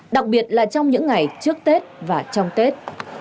đặc biệt là trong những ngày trước tết và trong tết